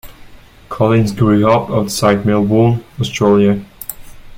Collins grew up outside Melbourne, Australia.